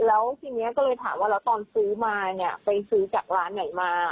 แล้วทีนี้ก็เลยถามว่าแล้วตอนซื้อมาเนี่ยไปซื้อจากร้านไหนมา